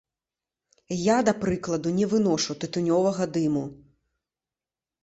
Я, да прыкладу, не выношу тытунёвага дыму.